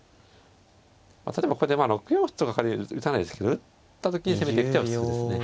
例えばここで６四歩とか仮に打たないですけど打った時に攻めていく手は普通ですね。